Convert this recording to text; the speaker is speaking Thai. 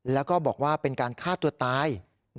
แล้วก็บอกว่าเป็นการฆ่าตัวตาย